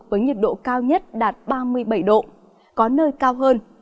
với nhiệt độ cao nhất đạt ba mươi bảy độ có nơi cao hơn